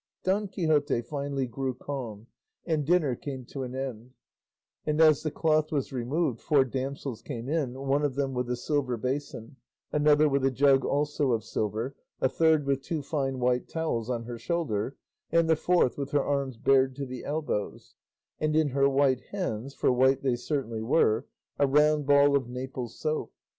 Don Quixote finally grew calm, and dinner came to an end, and as the cloth was removed four damsels came in, one of them with a silver basin, another with a jug also of silver, a third with two fine white towels on her shoulder, and the fourth with her arms bared to the elbows, and in her white hands (for white they certainly were) a round ball of Naples soap.